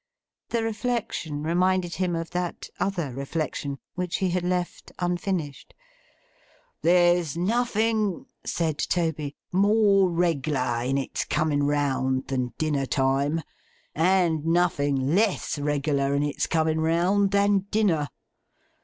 The reflection reminded him of that other reflection, which he had left unfinished. 'There's nothing,' said Toby, 'more regular in its coming round than dinner time, and nothing less regular in its coming round than dinner.